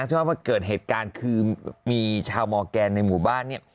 ชอบมาเกิดเหตุการณ์คือมีชาวมอร์แกนในหมู่บ้านเนี่ย